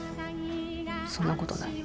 そんなことない。